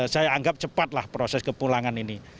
saya anggap cepat lah proses kepulangan ini